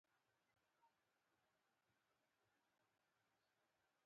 اوبو لرګي ته څرخ ورکړ، لرې شوم.